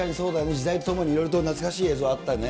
時代とともにいろいろと懐かしい映像あったね。